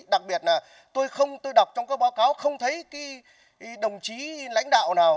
đặc biệt là tôi đọc trong các báo cáo không thấy cái đồng chí lãnh đạo nào